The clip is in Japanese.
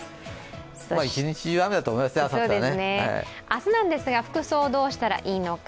明日なんですが、服装、どうしたらいいのか。